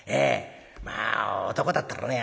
まあ男だったらね